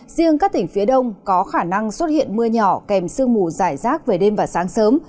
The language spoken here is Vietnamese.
riêng các tỉnh phía đông có khả năng xuất hiện mưa nhỏ kèm sương mù dài rác về đêm và sáng sớm